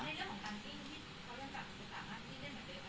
ในเรื่องของการสิ้นคุณคิดว่าเขายังกลับสถาบัติที่ได้เหมือนเดิม